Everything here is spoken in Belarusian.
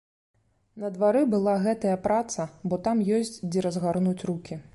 На двары была гэтая праца, бо там ёсць дзе разгарнуць рукі.